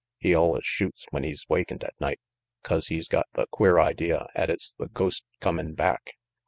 He allus shoots when he's wakened at night, 'cause he's got the queer idea 'at it's the ghost comin' back.